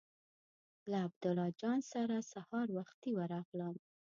له عبیدالله جان سره سهار وختي ورغلم.